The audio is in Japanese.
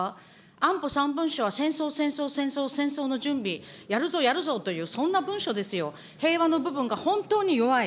安保三文書は戦争、戦争、戦争の準備、やるぞやるぞというそんな文書ですよ、平和の部分が本当に弱い。